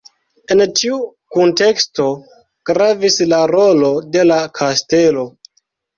En tiu kunteksto gravis la rolo de la kastelo.